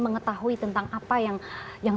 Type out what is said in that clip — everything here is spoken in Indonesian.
mengetahui tentang apa yang